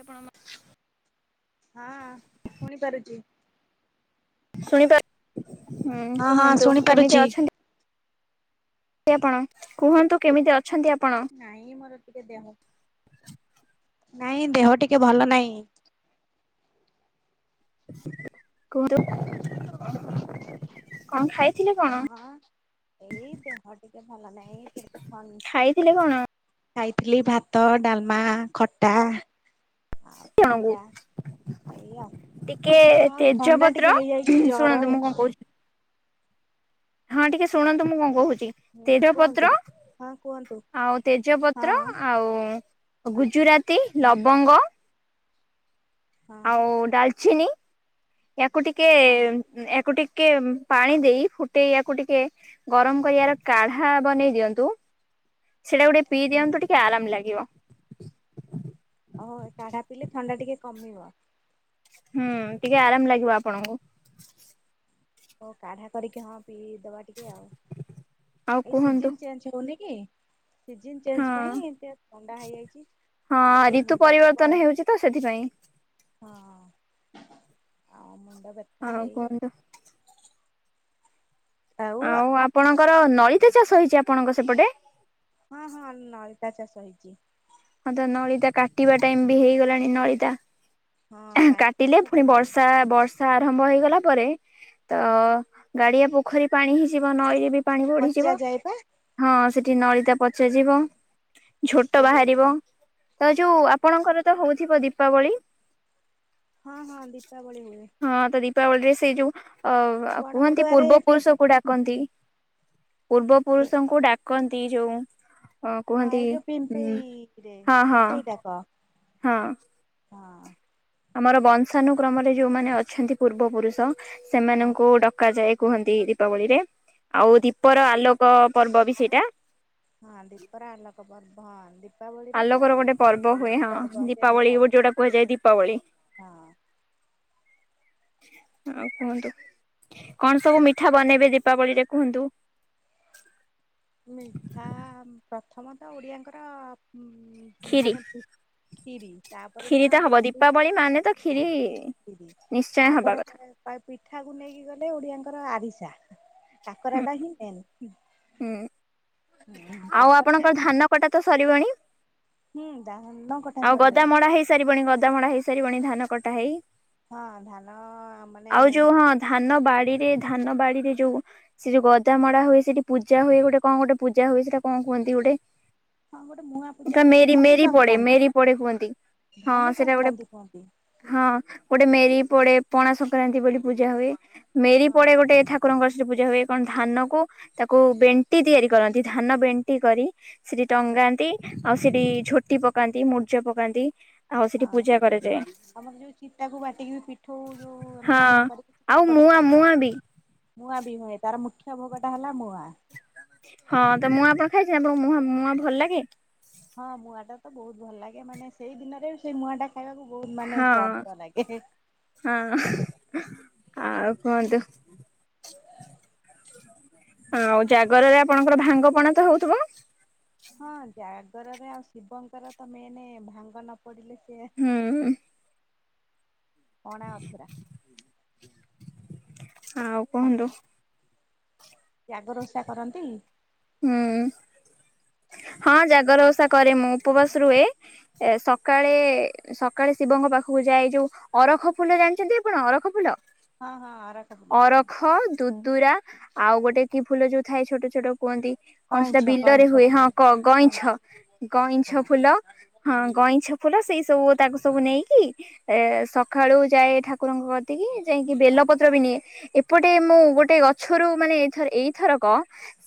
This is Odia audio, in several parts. ଆପଣ। ହଁ ଶୁଣି ପାରୁଛି। ଶୁଣିପାରୁ ହୁଁ ହଁ ହଁ କୁହନ୍ତୁ ଶୁଣି ପାରୁଚି। କେମିତି ଅଛନ୍ତି? ଆପଣ କୁହନ୍ତୁ କେମିତି ଅଛନ୍ତି ଆପଣ? ନାଇଁ ମୋର ଟିକେ ଦେହ ନାଇଁ ଦେହ ଟିକେ ଭଲ ନାହିଁ। କୁହନ୍ତୁ [unintelligible] କଣ ଖାଇଥିଲେ କଣ? ହଁ ଏଇ ଦେହ ଟିକେ ଭଲ ନାହିଁ। ଖାଇଥିଲେ କଣ? ଖାଇଥିଲି ଭାତ ଡାଲମା ଖଟା ଆଉ ଜଣଙ୍କୁ ଭଜା ଏଇ ଆଉ ଟିକେ ହଁ ଥଣ୍ଡା ଟିକେ ତେଜପତ୍ର, ହେଇଯାଇଚି ଜର ଶୁଣନ୍ତୁ ହେ ମୁଁ କଣ କହୁଛି ହଁ ଟିକେ ଶୁଣନ୍ତୁ ମୁଁ କଣ କହୁଛି? ହୁଁ ତେଜ କୁହନ୍ତୁ ପତ୍ର ହଁ କୁହନ୍ତୁ ଆଉ ହଁ ତେଜପତ୍ର ଆଉ ଗୁଜୁରାତି ଲବଙ୍ଗ ହଁ ଆଉ ଡାଲଚିନି ୟାକୁ ଟିକେ ହଁ ଏହାକୁ ଟିକେ ପାଣି ଦେଇ ଫୁଟେଇ କୁ ଟିକେ ଗରମ କରିବାର କାଢା ବନେଇ ଦିଅନ୍ତୁ। ସେଇଟା ଗୋଟେ ପି ହୁଁ। ଦିଅନ୍ତୁ ଟିକେ ଆରାମ ଲାଗିବ। ଓହ କାଢା ପିଇଲେ ଥଣ୍ଡା ଟିକେ କମିବ। ହୁଁ ଟିକେ ଆରାମ ଲାଗିବ ଆପଣଙ୍କୁ। ହଉ କାଢା କରିକି ହଁ ପିଇଦବା ଟିକେ ଆଉ। ଆଉ ଏଇ କୁହନ୍ତୁ ସିଜିନ ଚେଞ୍ଜ ଉନି କି ସିଜନ ଚେଞ୍ଜ ହଁ ପାଇଁ ଏ ଥଣ୍ଡା ହେଇଯାଇଛି। ହଁ ରିତୁ ପରିବର୍ତ୍ତନ ହେଉଛି ତ ସେଥିପାଇଁ। ହଁ ଆ ମୁଣ୍ଡ ବ୍ୟଥା ଆଉ ଏଇ [unintelligible] ଆଉ ଆପଣଙ୍କର ନଳିତା ଚାଷ ହେଇଛି ଆପଣଙ୍କ ସେପଟେ? ହଁ ହଁ ନଳିତା ଚାଷ ହେଇଛି। ହଁ ତ ନଳିତା କାଟିବା ଟାଇମ ବି ହେଇଗଲାଣି ନଳିତା। ହଁ କାଟିକି କାଟିଲେ ସେଟା ପୁଣି ଯୋଉ ବର୍ଷା ବର୍ଷ ସା ଆରମ୍ଭ ହେଇଗଲା ପରେ ତ ଗାଡିଆ ପୋଖରୀ ପାଣି ହେଇଯିବ ନଈରେ ବି ପାଣି ପଚା ବଢିଯିବ, ଯାଏ ପା ହଁ ସେଠି ନଳିତା ପଚା ଯିବ। ଝୋଟ ପଚା ଯାଇ ବାହାରିବ ତ ଯୋଉ ଆପଣଙ୍କର ତ ହଉଥିବ ଦୀପାବଳି। ହଁ ହଁ ଦୀପାବଳି ହୁଏ। ହଁ ତ ଦୀପାବଳିରେ ସେ ଯୋଉ ଅ ବଡ କୁହନ୍ତି ବଡୁଆରେ ପୂର୍ବ ପି ପୁରୁଷ କୁ ହୁଁ ଡାକନ୍ତି। ପୂର୍ବ ଏ ପୁରୁଷଙ୍କୁ ଡାକନ୍ତି ଯଉଁ। ହଁ ଏଇ ଯୋଉ ପିମ୍ପେଇରେ ହଁ ହଁ ପିମ୍ପେଇ କା କ ହଁ ହଁ। ଆମର ବଂଶାନୁକ୍ରମରେ ଯୋଉମାନେ ଅଛନ୍ତି ପୂର୍ବ ପୁରୁଷ ହଁ ସେମାନଙ୍କୁ ଡକା ଯାଏ କୁହନ୍ତି। ଦୀପାବଳିରେ, ଆଉ ଦୀପର ଆଲୋକ ପର୍ବ ବି ସେଇଟା। ହଁ ଦୀପର ଆଲୋକ ପର୍ବ। ଦୀପାବଳିରେ ତ ଆଲୋକର ଗୋଟେ ଆଲୋକ ପ ପର୍ବ ହୁଏ, ହଁ ପର୍ବ ସେ ଦୀପାବଳି ଗୋ ଯୋଉଟା କୁହାଯାଏ ଦୀପାବଳି। ହଁ ଆଉ କୁହନ୍ତୁ କଣ ସବୁ ମିଠା ବନେଇବେ ଦୀପାବଳି ରେ କୁହନ୍ତୁ? ମିଠା ପ୍ରଥମ ତ ଓଡ଼ିଆଙ୍କର କ୍ଷୀରି ମାନେ ଖିରି ତାପରେ କ୍ଷୀରି ତ ହବ ହଁ ଦୀପାବଳି ମାନେ ତ କ୍ଷୀରି ଖରି ନିଶ୍ଚୟ ହବା ତାପରେ କଥା ପିଠାକୁ ନେଇକି ଗଲେ ଓଡିଆଙ୍କର ଆରିସା କାକରା ଟା ହିଁ ମେନ୍। ହୁଁ, ଆଉ ତାପରେ ଆପଣଙ୍କ ଧାନ କଟା ତ ସରିବଣି? ହୁଁ ଧାନ କଟା ଆଉ ସରିଗଲାଣି ଗଦାମଡା ହେଇସାରିବଣି ଗଦାମଡା ହେଇସାରିବଣି ଧାନ କଟା ହେଇ। ହଁ ଧାନ ମାନେ ଆଉ ଯୋଉ ହଁ ଧାନ ବାଡିରେ, ଧାନ ବାଡିରେ ଯୋଉ ସେ ଯୋଉ ଗଦା ମଡା ହୁଏ ସେଠି ପୂଜା ହୁଏ ଗୋଟେ କଁ ଗୋଟେ ପୂଜା ହୁଏ ସେଟା କଁ କୁହନ୍ତି ଗୋଟେ? ହଁ ଗୋଟେ ମୁୂଆଁ ପୂଜା ହୁଏ ମେରି, ଧନୁ ମେରି ପଡ଼େ ସଂକ୍ରାନ୍ତି ମେରି ପଡେ କୁହନ୍ତି, ହଁ ଧନୁ ସେଟା ଗୋଟେ ସଂକ୍ରାନ୍ତି କୁହନ୍ତି ହଁ ଗୋଟେ ମେରି ପଡେ, ପଣା ସଂକ୍ରାନ୍ତି ବୋଲି ପୂଜା ହୁଏ, ମେରି ହଁ ପଡେ ଗୋଟେ ଠା ଠାକୁରଙ୍କର ସେଠି ପୂଜା ହୁଏ, କଣ ଧାନ କୁ ତାକୁ ବେଣ୍ଟି ତିଆରି କରନ୍ତି, ଧାନ ବେଣ୍ଟି କରି ସେଠି ଟଙ୍ଗାନ୍ତି, ଆଉ ସେଠି ଝୋଟି ପକାନ୍ତି, ମୁର୍ଜ ପକାନ୍ତି। ଆଉ ସେଠି ହଁ ପୂଜା କରାଯାଏ। ଆମର ଯୋଉ ଚିତା କୁ ବାଟିକି ବି ପିଠଉ ଯୋଉ ଏମିତି ହଁ ଆଣ କରିକି ଆଉ ମୁଆଁ, ମୁଆଁ ବି। ମୁଆଁ ବି ହୁଏ, ତାର ମୁଖ୍ୟ ଭୋଗଟା ହେଲା ମୁଆଁ। ହଁ ତ ମୁଆଁ ଆପଣ ଖାଇଛନ୍ତି, ମୁଆଁ, ମୁଆଁ ଭଲ ଲାଗେ? ହଁ ମୁଆଁ ଟା ତ ବହୁତ ଭଲ ଲାଗେ, ମାନେ ସେଇ ଦିନରେ ସେଇ ମୁଆଁ ଟା ଖାଇବାକୁ ବହୁତ ମାନେ ହଁ ସ୍ଵାଦ ଲାଗେ। ହଁ ଆଉ କୁହନ୍ତୁ? ହଁ ଆଉ ଜାଗରରେ ଆପଣଙ୍କର ଭାଙ୍ଗପଣା ତ ହଉଥିବ? ହଁ ଜାଗରରେ ଆଉ ଶିବଙ୍କର ତ ମେନେ ଭାଙ୍ଗ, ନ ପଡିଲେ ସେ ହୁଁ ଅଣା ଅଧୁରା। ଆଉ କୁହନ୍ତୁ ଜାଗର ଓଷା କରନ୍ତି? ହୁଁ ହଁ ଜାଗର ଓଷା କରେ ମୁଁ ଉପବାସ ରୁହେ। ଏ ସକାଳେ। ଏ ସକାଳେ ଶିବଙ୍କ ପାଖକୁ ଯାଏ। ଯୋଉ ଅରଖ ଫୁଲ ଜାଣିଛନ୍ତି ଆପଣ ଅରଖ ଫୁଲ? ହଁ ହଁ ଅରଖ ଫୁଲ। ହଁ ଦୁଦୁରା ଆଉ ଗୋଟେ କି ଫୁଲ ଯୋଉ ଥାଏ ଛୋଟ ଛୋଟ କୁହନ୍ତି। କଣ ସେଟା କଇଁଛ ବିଲରେ କଇଁଛ ହୁଏ। ଫୁଲ ହଁ କ ଗଇଁଛ କଇଁ ଗଇଁଛ ହଁ ଫୁଲ। ହଁ ଗଇଁଛ ଫୁଲ ସେଇ ସବୁ ତାକୁ ସବୁ ନେଇକି। ଏ ସକାଳୁ ଯାଏ ଠାକୁରଙ୍କ କତି କିି ଯାଇକି ବେଲପତ୍ର ବି ନିଏ। ଏପଟେ ମୁଁ ଗୋଟେ ଗଛରୁ ମାନେ ଏଇଥର ଏଇଥରକ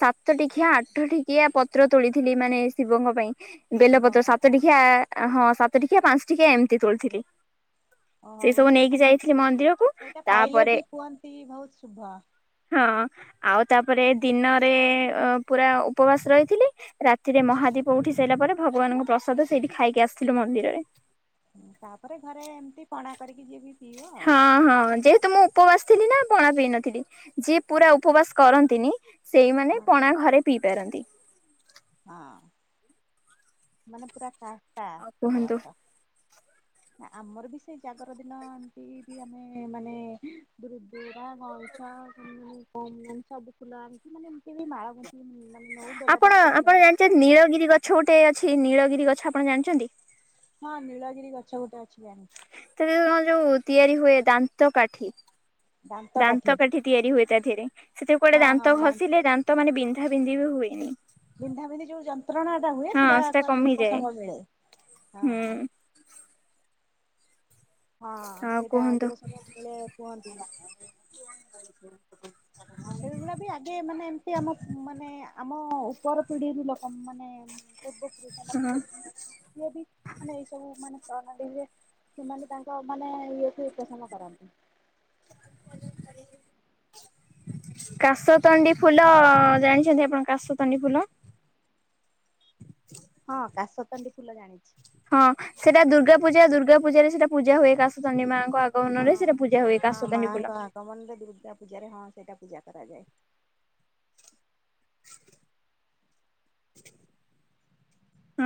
ସା ସାତ ଟିକିଆ, ଆଠ ଟିକିଆ ପତ୍ର ତୋଳିଥିଲି ମାନେ ଶିବଙ୍କ ପାଇଁ ବେଲପତ୍ର ଶୁଭଙ୍କ କଥା ସାତଟିକିଆ। ଆ ହଁ ସାତ ଟିକିଆ, ପାଞ୍ଚ ଟିକିଆ ଏମିତି ତୋଳିଥିଲି। ସେ ଓହୋ ସବୁ ସିଏ ନେଇକି ମାନେ ଯାଇଥିଲି ମନ୍ଦିରକୁ ସେଇଟା ପାଇଲେ ତାପରେ। ବି କୁହନ୍ତି ବହୁତ ଶୁଭ। ହଁ ଆଉ ତାପରେ ଦିନରେ ଅ ପୁରା ଉପବାସ ରହିଥିଲି। ରାତିରେ ମହାଦୀପ ଉଠି ସାରିଲା ପରେ ଭଗବାନଙ୍କ ପ୍ରସାଦ ସେଇଠି ଖାଇକି ଆସିଥିଲୁ ମନ୍ଦିରରେ। ହୁଁ ତାପରେ ଘରେ ଏମିତି ପଣା କରିକି ଯିଏ ବି। ପିଇବ ହଁ ଆଉ ତାକୁ ହଁ ଯେହେତୁ ମୁଁ। ଉପବାସ ଥିଲି ନା ପଣା ପିଇନଥିଲି। ଯିଏ ପୁରା ଉପବାସ କରନ୍ତିନି। ସେଇମାନେ ହଁ ପଣା ଘରେ ପିଇ ପାରନ୍ତି। ହଁ। ମାନେ ପୁରା କାସ୍ଟା ଆଉ କୁହନ୍ତୁ ଉପବାସ। ନା ଆମର ବି ସେଇ ଜାଗର ଦିନ ଏମିତି ବି ଆମେ ମାନେ ଦୁରୁରା, ଗଇଁ [unintelligible] ସବୁ ଫୁଲ ଏମିତି ମାନେ ଏମିତି ବି ମାଳ ଗୁନ୍ଥିକି ନି ମା ଆପଣ, ଆପଣ ଜାଣିଛନ୍ତି ନୀଳଗିରି ଗଛ ଗୋଟେ ଅଛି ନୀଳଗିରି ଗଛ ଆପଣ ଜାଣିଛନ୍ତି? ହଁ ନୀଳଗିରି ଗଛ ଗୋଟେ ଅଛି ଜାଣି ତାର କ ଯୋଉ ତିଆରି ହୁଏ ଦାନ୍ତ କାଠି। ଦାନ୍ତ କାଠି ତିଆରି ହୁଏ ତା ଧେରେ ସେଥିରୁ କୁଆଡେ ହଁ ହଁ ଦାନ୍ତ ଘସିଲେ ଦା ଦାନ୍ତ ମାନେ ବିନ୍ଧା ବିନ୍ଧି ବି ହୁଏନି। ବିନ୍ଧା ବିିନ୍ଧି ଯୋଉ ଯନ୍ତ୍ରଣା ଟା ହୁଏ। ହଁ ସେଟା ଆକୁ ଆକୁ କମିଯାଏ। ଉପଶମ ମିଳେ। ହଁ। ହୁଁ ହଁ ଆଉ ସେଇଟା କୁହନ୍ତୁ ଉପଶମ ମିଳେ କୁହନ୍ତି। ସେଗୁଡା ବି ଆଗେ ମାନେ ଏମିତି ଆମ ଉଁ ମାନେ ଆମ ଉପର ପିଢିରୁ ଲୋକ ମାନେ। ପୂର୍ବ ପୁରୁଷ ମାନେ ହଁ ସେ ଉଁ ସିଏ ବି ମାନେ ଏଇ ସବୁ ମାନେ ପ୍ରଣାଳୀରେ। ସେମାନେ ତାଙ୍କ ମାନେ ଇଏଠି ପସନ୍ଦ କରନ୍ତି। କାଶତଣ୍ଡି ଫୁଲ ଜାଣିଛନ୍ତି ଆପଣ କାଶତଣ୍ଡି ଫୁଲ? ହଁ କାଶତଣ୍ଡି ଫୁଲ ଜାଣିଛି। ହଁ ସେଇଟା ଦୁର୍ଗାପୂଜା ଦୁର୍ଗା ପୂଜାରେ ସେଟା ପୂଜା ହୁଏ କାଶତଣ୍ଡୀ ମାଆଙ୍କ ଆଗମନରେ ସେଟା ପୂଜା ହୁଏ କାଶତଣ୍ଡୀ ଫୁଲ। ପ୍ରବନ୍ଧ ଦୁର୍ଗା ପୂଜାରେ ହଁ ସେଇଟା ପୂଜା କରାଯାଏ।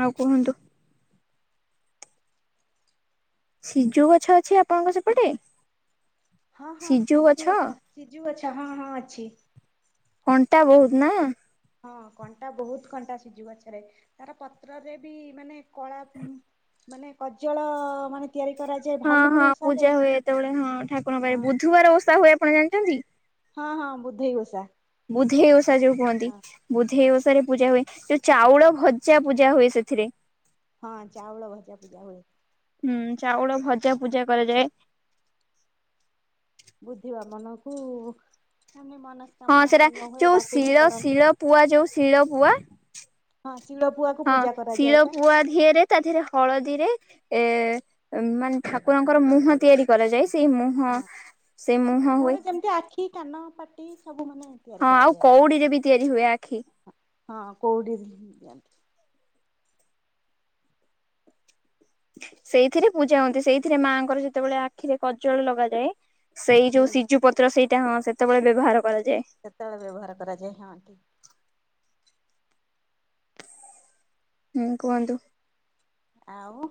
ଆଉ କୁହନ୍ତୁ। ସିଜୁ ଗଛ ଅଛି ଆପଣଙ୍କ ସେପଟେ? ହଁ ହଁ ସିଜୁ ଗଛ ସିଜୁ ଗଛ ହଁ ହଁ ଅଛି। କଣ୍ଟା ବହୁତ ନା। ହଁ କଣ୍ଟା ବହୁତ କଣ୍ଟା ସିଜୁ ଗଛରେ ତାର ପତ୍ରରେ ବି ମାନେ କଳା ଉଁ। ମାନେ କଜଳ ମାନେ। ତିଆରି କରାଯା ହଁ ହଁ ପୂଜା ହୁଏ ଏତେବେଳେ ହଁ ଠାକୁରଙ୍କ ପାଖେ ହଁ ବୁଧବାର ଓଷା ହୁଏ ଆପଣ ଜାଣିଛନ୍ତି? ହଁ ହଁ ବୁଧେଇ ଓସା। ବୁଧେଇ ଓଷା ଯୋଉ କୁହନ୍ତି। ବୁଧେଇ ଓଷାରେ ପୂଜା ହୁଏ। ଯୋଉ ଚାଉଳ ଭଜା ପୂଜା ହୁଏ ସେଥିରେ। ହଁ ଚାଉଳ ଭଜା ପୂଜା ହୁଏ। ହୁଁ ଚାଉଳ ଭଜା ପୂଜା କରାଯାଏ। ବୁଧିବା ମନକୁ ଆମେ ମନ ହଁ ସେଟା ଯୋଉ ଶିଳ ଶିଳ ପୁଆ ଯୋଉ ଶିଳ ପୁଆ। ହଁ ଶିଳ ପୁଆକୁ ହଁ ପୂଜା କରାଯାଏ ଶିଳ ପା ପୁଆ ଧିଏରେ ତା ଦେହରେ ହଳଦୀରେ ଏ ମାନେ ଠାକୁରଙ୍କର ମୁହଁ ତିଆରି କରାଯାଏ ସେଇ ମୁହ ହଁ ସେ ମୁହଁ ହୁଏ। କି କାନ ପାଟି ସବୁ ମାନେ ତିଆରି ହଁ ଆଉ କରାଯାଏ କଉଡିରେ ବି ତିଆରି ହୁଏ ଆଖି। ହଁ କଉଡି ନ୍ତି ସେଇଥିରେ ପୂଜା ହୁଅ ନ୍ତି ସେଇଥିରେ ମାଆଙ୍କର ଯେତେବେଳେ ଆଖିରେ କଜଳ ଲଗାଯାଏ। ସେଇ ଯୋଉ ସିଜୁ ପତ୍ର ସେଇଟା ହଁ ସେତେବେଳେ ବ୍ୟବହାର କରାଯାଏ। ସେତେବେଳେ ବ୍ୟବହାର କରାଯାଏ ହଁ ଠିକ୍। ହୁଁ କୁହନ୍ତୁ? ଆଉ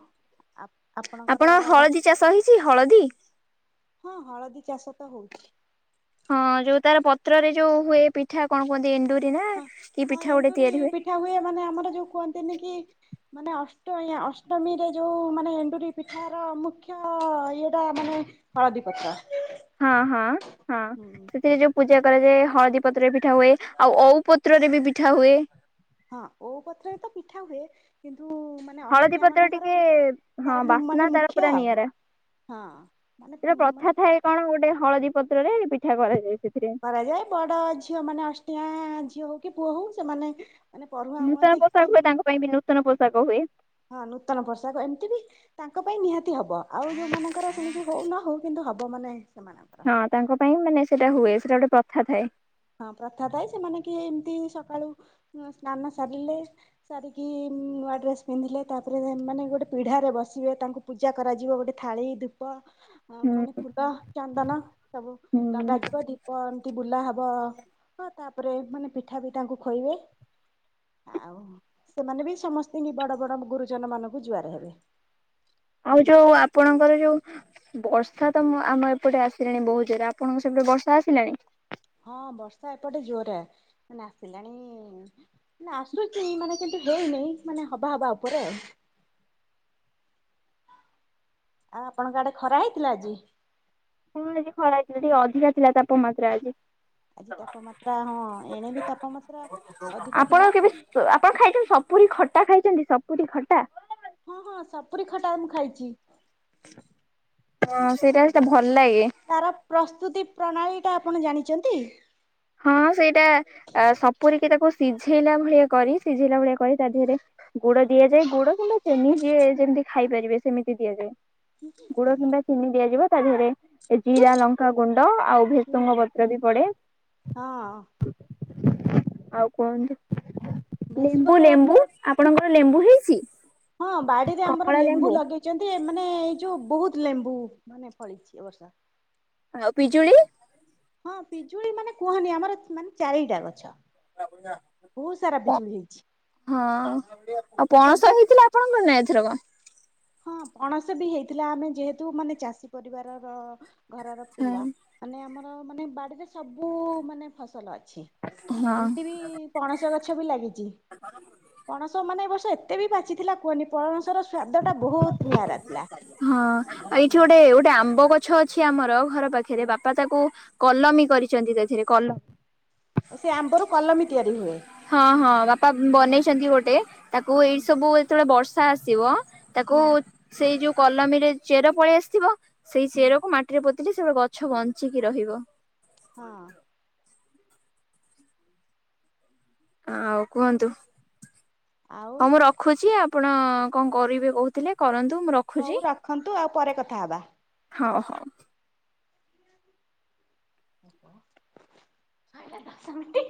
ଆ ଆପଣ ଆପଣ ହଳଦୀ ଚାଷ ହେଇଛି ହଳଦୀ? ହଁ ହଳଦୀ ଚାଷ ତ ହଉଛି। ହଁ ଯୋଉ ତାର ପତ୍ରରେ ଯୋଉ ହୁଏ ପିଠା କଣ କୁହନ୍ତି ଏଣ୍ଡୁରି ନା ହଁ କି ହଁ ପିଠା ଗୋଟେ ଏଣ୍ଡୁରି ତିଆରି ହୁଏ? ପିଠା ହୁଏ ମାନେ ଆମର ଯୋଉ କୁହନ୍ତିନି କି? ମାନେ ଅଷ୍ଟ ଅଷ୍ଟମୀରେ ଯୋଉଁ ମାନେ ଏଣ୍ଡୁରି ପିଠାର ମୁଖ୍ୟ ଇଏଟା ମାନେ ହଳଦୀ ପତ୍ର। ହଁ ହଁ ହଁ ହୁଁ ସେଥିରେ ଯୋଉ ପୂଜା କରାଯାଏ ହଳଦୀ ପତ୍ରରେ ପିଠା ହୁଏ ଆଉ ଅଉ ପତ୍ରରେ ବି ପିଠା ହୁଏ। ହଁ ଓଉ ପତ୍ରରେ ତ ପିଠା ହୁଏ କିନ୍ତୁ ମାନେ ହଳଦୀ ଅଷ୍ଟିଆ ପତ୍ର ମାନଙ୍କର ଟିକେ ହଁ ତାର ବାସ୍ନା ମାନେ ତାର ମୁଖ୍ୟ ପୁରା ଆଉ। ନିଆରା ହଁ ମାନେ ସେଟା ମାନେ ପ୍ରଥା ଥାଏ କଣ ଗୋଟେ ହଳଦୀ ପତ୍ରରେ ପିଠା କରାଯାଏ ସେଥିରେ। କରାଯାଏ ବଡ ଝିଅ ମାନେ ଅଷ୍ଟଟିଆ ଝିଅ ହଉ କି ପୁଅ ହଉ ସେମାନେ ପଢୁଆ ନୂତନ ହୁଅନ୍ତି ପୋଷାକ କି ହୁଏ ମାନେ ତାଙ୍କ ପାଇଁ ବି ନୂତନ ପୋଷାକ ହୁଏ। ହଁ ନୂତନ ପୋଷାକ ଏମିତି ବି ତାଙ୍କ ପାଇଁ ନିହାତି ହବ, ଆଉ ଯୋଉ ମାନଙ୍କର ସେମିତି ହଉ ନ ହଉ କିନ୍ତୁ ହବ ମାନେ ସେମାନଙ୍କ। ହଁ ତାଙ୍କ ପାଇଁ ମାନେ ସେଇଟା ହୁଏ ସେଇଟା ଗୋଟେ ପ୍ରଥା ଥାଏ। ହଁ ପ୍ରଥା ଥାଏ ସେମାନେ କିଏ ଏମିତି ସକାଳୁ ସ୍ନାନ ସାରିଲେ ସାରିକି ନୂଆ ଡ୍ରେସ୍ ପିନ୍ଧିଲେ ତାପରେ ମାନେ ଗୋଟେ ପିଢ଼ାରେ ବସିବେ, ତାଙ୍କୁ ପୂଜା କରାଯିବ ଗୋଟେ ଥାଳି, ଧୂପ ହଁ ହୁଁ ମାନେ ଫୁଲ, ଚାନ୍ଦନ ସବୁ ହୁଁ ଲଗାଯିବ ଦୀପ ଏମିତି ବୁଲା ହବ। ବ ତାପରେ ମାନେ ପିଠା ବି ତାଙ୍କୁ ଖୋଇବେ। ଆଉ ସେମାନେ ବି ସମସ୍ତିଙ୍କି ବଡ ବଡ ଗୁରୁଜନ ମାନଙ୍କୁ ଜୁଆର ହେବେ। ଆଉ ସେମିତି ବି ଯୋଉ ଗୋଟେ ଆପଣଙ୍କର ଯୋଉ ବର୍ଷା ତ ମୁଁ ଆମ ଏପଟେ ଆସିଲାଣି ବହୁତ ଜୋରେ ଆପଣଙ୍କ ସେପଟେ ବର୍ଷା ଆସିଲାଣି? ହଁ ବର୍ଷା ଏପଟେ ଜୋରରେ ଆସି ମାନେ ଆସିଲାଣି। ଆସୁଛି ମାନେ କିନ୍ତୁ ହେଇନି ମାନେ ହବା ହବା ଉପରେ ଆଉ। ଆଉ ଆପଣଙ୍କ ଆଡେ ଖରା ହେଇଥିଲା ଆଜି? ପୁଣି ଖରା ହେଇଥିଲା ଟିକେ ଅଧିକା ଥିଲା ତାପମାତ୍ରା ଆଜି। ଆଜି ତାପମାତ୍ରା ହଁ ଏଣେ ବି ତାପମାତ୍ରା ଅଧିକ ଥିଲା। ଆପଣ କେବେ ଆପଣ ଖାଇଛନ୍ତି ସ ପୁରୀ ଖଟା ଖାଇଛନ୍ତି ସପୁରୀ ଖଟା? ହଁ ହଁ ସପୁରୀ ଖଟା ମୁଁ ଖାଇଛି। ହଁ ସେଇଟା ସେଟା ଭଲ ଲାଗେ। ତାର ପ୍ରସ୍ତୁତି ପ୍ରଣାଳୀଟା ଆପଣ ଜାଣିଛନ୍ତି? ହଁ ସେଇଟା ସପୁୁରୀକି ତାକୁ ସିଝେଇଲା ଭଳିଆ କରି ସିଝେଇଲା ଭଳିଆ କରି ତା ଦେହରେ ଗୁଡ ଦିଆଯାଏ ଗୁଡ କିମ୍ବା ଚିନି ଯିଏ ଯେମିତି ଖାଇପାରିବେ ସେମିତି ଦିଆଯାଏ। ଗୁଡ କିମ୍ବା ଚିନି ଦିଆଯିବ ତା ଦେହରେ। ଏ ଜିରା ଲଙ୍କା ଗୁଣ୍ଡ ଆଉ ଭେସୁଙ୍ଗା ହୁଁ ପତ୍ର ବି ପଡେ। ହଁ। ଆଉ କୁହନ୍ତୁ ଭେସୁଙ୍ଗା ଲେମ୍ବୁ ଲେମ୍ବୁ। ପତ୍ର ଆପଣଙ୍କର ଲେମ୍ବୁ ହେଇଛି? ହଁ ବାଡିରେ ଆମର ଲେମ୍ବୁ ଲଗେଇ ଛନ୍ତି ମାନେ ଏଇ ଯୋଉ ବହୁତ ଲେମ୍ବୁ ମାନେ ଫଳିଛି ଏ ବର୍ଷ। ଆଉ ପିଜୁଳି। ହଁ ପିଜୁଳି ମାନେ କୁହନି ଆମର ମାନେ ଚାରିଟା ଗଛ। ହଁ ବହୁତ ସାରା ପିଜୁଳି ହେଇଛି। ଆଉ ପଣସ ସବୁ ହେଇଥିଲା। ଆପଣଙ୍କ ନେ ଏଥରକ। ହଁ ପଣସ ବି ହେଇଥିଲା ଆମେ ଯେହେତୁ ମାନେ ଚାଷୀ ପରିବାରର ଘରର ହଁ ପିଲା। ମାନେ ଆମର ମାନେ ବାଡ଼ିରେ ସବୁ ମାନେ ଫସଲ ଅଛି ହଁ। ଏମିତି ବି। ପଣସ ଗଛ ବି ଲାଗିଛି। । ପଣସ ମାନେ ଏ ବର୍ଷ ଏତେ ବି ପାଚି ଥିଲା କୁହନି ପଣସର ସ୍ବା ହଁ ଆଉ ଏଇଠି ହୁଁ ଗୋଟେ ଗୋଟେ ଆମ୍ବ ଗ ଗଛ ଅଛି ଆମର ଘର ପାଖରେ ବାପା ତାକୁ କଲମୀ କରିଛନ୍ତି ସେଥିରେ କଲ ସେ ଆମ୍ବରୁ କଲମୀ ତିଆରି ହୁଏ। ହଁ ହଁ ବାପା ବନେଇଛନ୍ତି ଗୋଟେ ତାକୁ ଏଇ ହୁଁ ସବୁ ଯେତେବେଳେ ବର୍ଷା ଆସିବ। ତାକୁ ହୁଁ ସେଇ ଯୋଉ କଲମୀ ରେ ଚେର ପଳେଇ ଆସିଥିବ ସେଇ ଚେରକୁ ମା ରେ ପୋତିଲେ [unintelligible] ଗଛ ବଞ୍ଚିକି ରହିବ। ହଁ। ଆଉ କୁହନ୍ତୁ ଆଉ ହଁ ମୋ ରଖୁଛି ଆପଣ କଣ କରିବେ କହୁଥିଲେ କରନ୍ତୁ। ରଖୁଛି ହଉ ରଖନ୍ତୁ ଆଉ ପରେ କଥା ହବା। ହଉ ହଉ। [unintelligible] ଦସ ମିଟି।